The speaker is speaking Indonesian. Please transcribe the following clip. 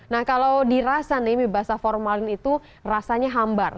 nah kalau dirasa nih mie basah formalin itu rasanya hambar